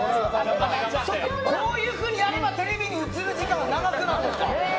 こういうふうにやればテレビ映る時間が長くなるんだね。